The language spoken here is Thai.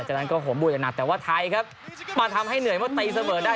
จากนั้นก็หัวจะหนักแต่ว่าไทยครับมาทำให้เหนื่อยเมื่อตีเสมอได้